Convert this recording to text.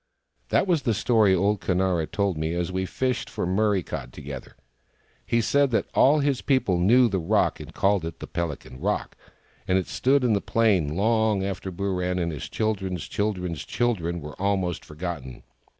That was the story old Conara told me, as we fished for Murray cod together. He said that all his people knew the rock, and called it the Pelican Rock ; and it stood on the plain long after Booran and his children's children's children were almost forgotten.